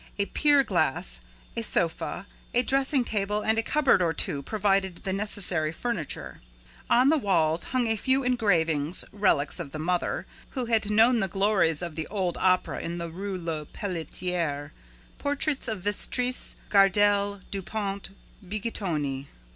A pier glass, a sofa, a dressing table and a cupboard or two provided the necessary furniture. On the walls hung a few engravings, relics of the mother, who had known the glories of the old Opera in the Rue le Peletier; portraits of Vestris, Gardel, Dupont, Bigottini.